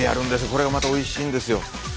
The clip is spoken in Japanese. これがまたおいしいんですよ。